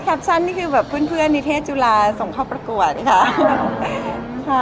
แคปชั่นนี่คือเพื่อนในเทศจุอราส่งเข้าประกวดค่ะ